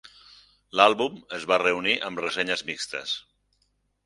L'àlbum es va reunir amb Ressenyes mixtes.